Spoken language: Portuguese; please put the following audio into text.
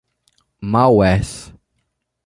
Maués